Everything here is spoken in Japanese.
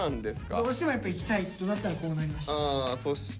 どうしてもやっぱ行きたいとなったらこうなりました。